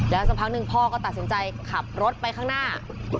สักพักหนึ่งพ่อก็ตัดสินใจขับรถไปข้างหน้า